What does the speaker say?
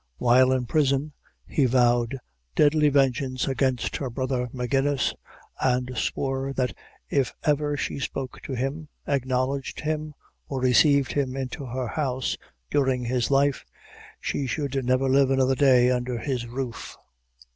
While in prison, he vowed deadly vengeance against her brother, Magennis, and swore, that if ever she spoke to him, acknowledged him, or received him into her house during his life, she should never live another day under his roof.